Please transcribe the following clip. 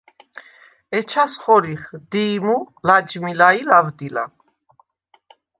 ეჩას ხორიხ: დი̄ჲმუ, ლაჯმილა ი ლავდილა.